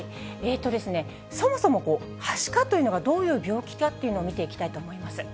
そもそも、はしかというのがどういう病気かというのを見ていきたいと思います。